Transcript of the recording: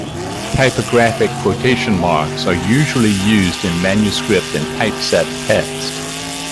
Typographic quotation marks are usually used in manuscript and typeset text.